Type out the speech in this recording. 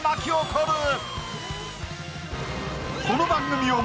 この番組を